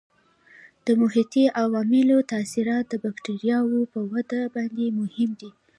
د محیطي عواملو تاثیرات د بکټریاوو په وده باندې مهم دي.